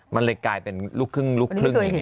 มันเลยกลายเป็นลูกครึ่งลูกครึ่งอย่างนี้